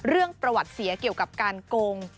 เรื่องประวัติเสียเกี่ยวกับการโกง